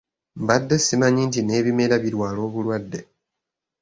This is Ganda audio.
Mbadde simanyi nti n'ebimera birwala obulwadde.